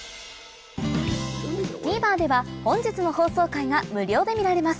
ＴＶｅｒでは本日の放送回が無料で見られます